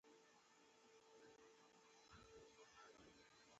د حلال رزق خوند د برکت نښه ده.